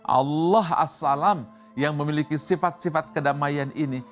allah as salam yang memiliki sifat sifat kedamaian ini